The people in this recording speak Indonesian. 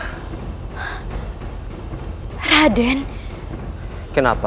eh ternyata ada istana yang menjengkelkan bapak